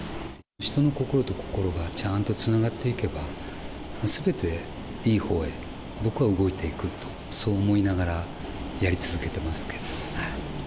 人の心と心がちゃんとつながっていけば、すべていいほうへ、僕は動いていくと、そう思いながらやり続けてますけど。